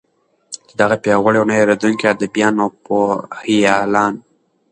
چې دغه پیاوړي او نه هیردونکي ادېبان او پوهیالان